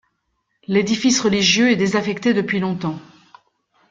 L'édifice religieux est désaffecté depuis longtemps.